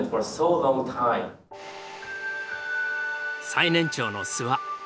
最年長の諏訪。